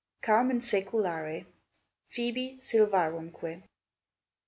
CARMEN SAECULARE. PHOEBE, SILVARUMQUE.